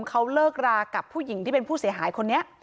เขาเลิกรากับผู้หญิงที่เป็นผู้เสียหายคนนี้